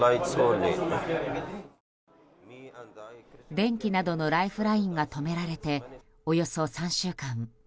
電気などのライフラインが止められて、およそ３週間。